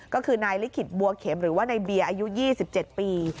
ก็คือนายลิขิตบัวเข็มหรือว่าในเบียร์อายุ๒๗ปี